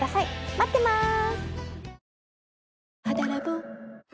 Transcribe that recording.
待ってます。